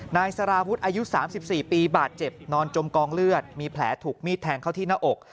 นายสารวุฒิอายุ๓๔ปีบาดเจ็บนอนจมกองเลือดมีแผลถูกมีดแทงเข้าที่หน้าอก